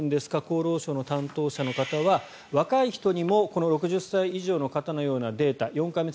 厚労省の担当者の方は若い人にもこの６０歳以上の方のようなデータ４回目